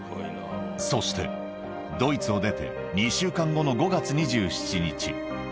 そして、ドイツを出て２週間後の５月２７日。